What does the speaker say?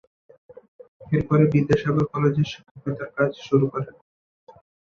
এরপরে বিদ্যাসাগর কলেজে শিক্ষকতার কাজ শুরু করেন।